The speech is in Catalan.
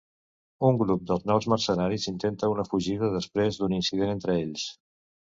Un grup dels nous mercenaris intente una fugida després d'un incident entre ells.